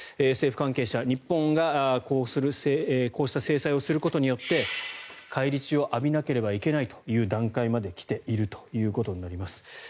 政府関係者、日本がこうした制裁をすることによって返り血を浴びなければいけないという段階まで来ているということになります。